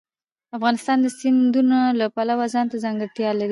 افغانستان د سیندونه د پلوه ځانته ځانګړتیا لري.